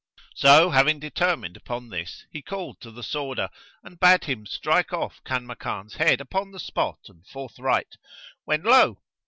So having determined upon this he called the Sworder and bade him strike off Kanmakan's head upon the spot and forthright, when lo!